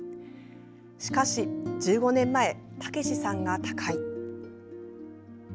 しかし１５年前、武さんが他界。